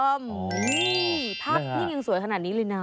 นี่ภาพนิ่งยังสวยขนาดนี้เลยนะ